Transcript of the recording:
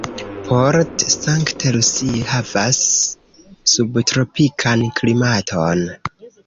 Port St. Lucie havas subtropikan klimaton.